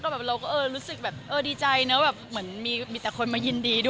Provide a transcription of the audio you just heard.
เราก็รู้สึกดีใจเนอะเหมือนมีแต่คนมายินดีด้วย